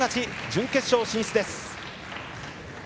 準決勝進出です。